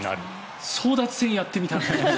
争奪戦をやってみたい。